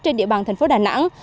trên địa bàn thành phố đà nẵng